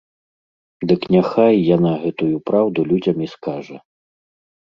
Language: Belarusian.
Дык няхай яна гэтую праўду людзям і скажа!